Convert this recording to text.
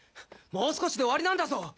もう少しで終わりなんだぞ！